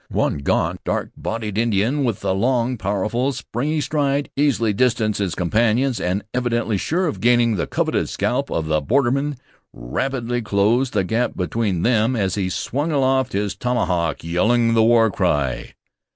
One gaunt, dark bodied Indian with a long, powerful, springy stride easily distanced his companions, and, evidently sure of gaining the coveted scalp of the borderman, rapidly closed the gap between them as he swung aloft his tomahawk, yelling the war cry.